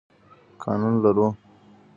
قانون لرو.